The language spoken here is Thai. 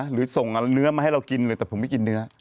หรือส่งเนื้อมาให้เรากินเลยแต่ผมไม่กินเนื้อ